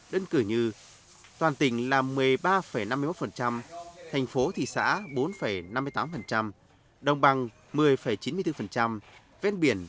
đơn cử như toàn tỉnh là một mươi ba năm mươi một thành phố thị xã bốn năm mươi tám đồng bằng một mươi chín mươi bốn vết biển một mươi tám mươi bảy